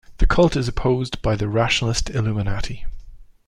The cult is opposed by the rationalist Illuminati.